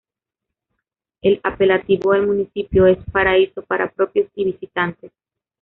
El apelativo del municipio es "Paraíso para propios y visitantes.